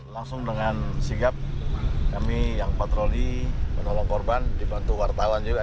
langsung dengan sigap kami yang patroli menolong korban dibantu wartawan juga